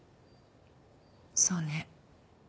そうね。